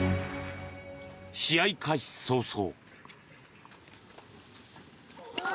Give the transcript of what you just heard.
試合開始早々。